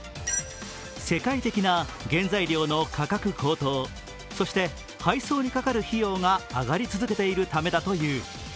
世界的な原材料の価格高騰、そして、配送にかかる費用が上がり続けているためだという。